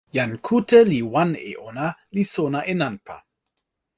jan kute li wan e ona, li sona e nanpa.